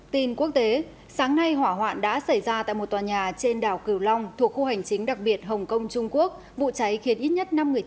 tin quốc tế sáng nay hỏa hoạn đã xảy ra tại một tòa nhà trên đảo cửu bình